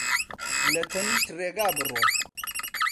لە تەنیشت ڕێگا بڕۆ